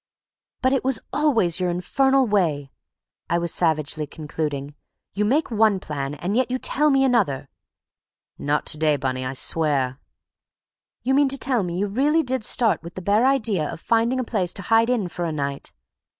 "But it always was your infernal way," I was savagely concluding. "You make one plan, and yet you tell me another—" "Not to day, Bunny, I swear!" "You mean to tell me you really did start with the bare idea of finding a place to hide in for a night?"